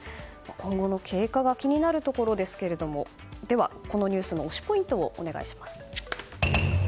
今後の経過が気になるところですがでは、このニュースの推しポイントをお願いします。